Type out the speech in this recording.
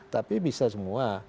tapi bisa semua